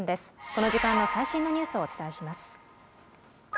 この時間の最新のニュースをお伝えします。